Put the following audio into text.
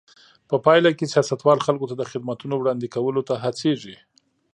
په پایله کې سیاستوال خلکو ته د خدمتونو وړاندې کولو ته هڅېږي.